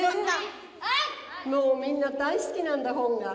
みんな大好きなんだ本が。